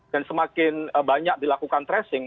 dan semakin banyak dilakukan tracing